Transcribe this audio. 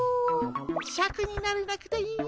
シャクになれなくていいの？